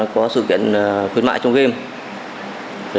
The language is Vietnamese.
có sự kiện khuyến mại trong game